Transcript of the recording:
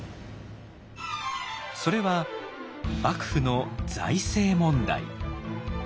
それは幕府の財政問題。